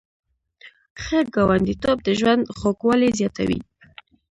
ښه ګاونډیتوب د ژوند خوږوالی زیاتوي.